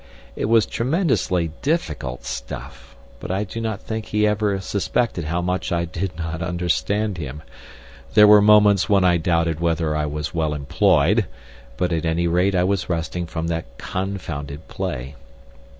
It was tremendously difficult stuff, but I do not think he ever suspected how much I did not understand him. There were moments when I doubted whether I was well employed, but at any rate I was resting from that confounded play.